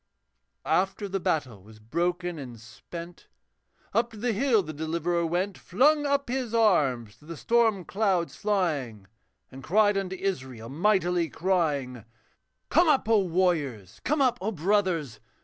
After the battle was broken and spent Up to the hill the Deliverer went, Flung up his arms to the storm clouds flying, And cried unto Israel, mightily crying, 'Come up, O warriors! come up, O brothers!